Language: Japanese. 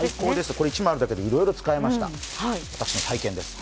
これ１枚あるだけでいろいろ使えました、私の体験です。